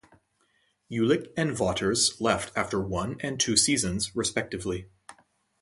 Julich and Vaughters left after one and two seasons respectively.